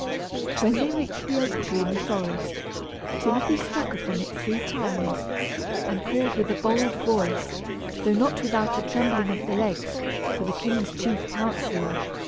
When they reached the oak tree in the forest, Timothy struck upon it three times and called with a bold voice, though not without a trembling of the legs, for the king's chief counsellor.